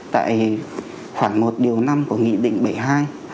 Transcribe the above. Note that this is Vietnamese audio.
tại khoảng một điều năm của nghị định bảy mươi hai hai nghìn một mươi ba